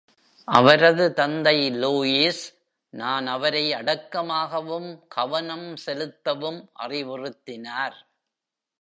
அவரது தந்தை லூயிஸ் நான் அவரை அடக்கமாகவும் கவனம் செலுத்தவும் அறிவுறுத்தினார்.